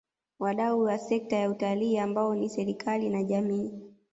Wadau wa sekta ya Utalii ambao ni serikali na jamii